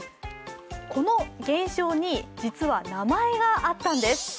この現象に、実は名前があったんです。